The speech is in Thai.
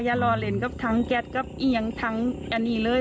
รอเล่นกับทั้งแก๊สกับเอียงทั้งอันนี้เลย